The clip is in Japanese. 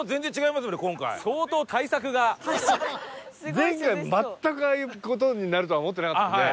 前回全くああいう事になるとは思ってなかったんで。